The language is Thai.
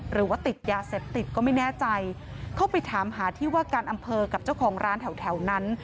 หรือว่าติดยาเสพติดก็ไม่แน่ใจเข้าไปถามหาที่ว่าการอำเภอกับเจ้าของร้านแถวแถวนั้น